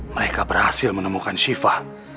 mereka berhasil menemukan siva